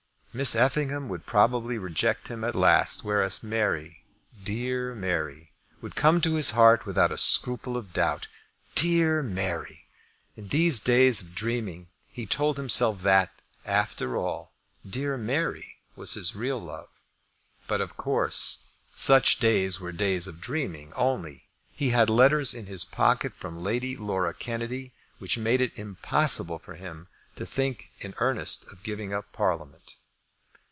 Miss Effingham would probably reject him at last; whereas Mary, dear Mary, would come to his heart without a scruple of doubt. Dear Mary! In these days of dreaming, he told himself that, after all, dear Mary was his real love. But, of course, such days were days of dreaming only. He had letters in his pocket from Lady Laura Kennedy which made it impossible for him to think in earnest of giving up Parliament.